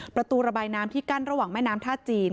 ประตูระบายน้ำที่กั้นระหว่างแม่น้ำท่าจีน